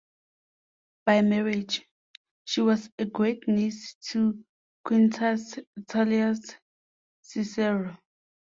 By marriage, she was a great-niece to Quintus Tullius Cicero.